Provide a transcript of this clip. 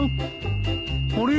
あれ？